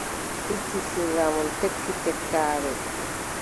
Itti sirla mum, tekki tekkaare.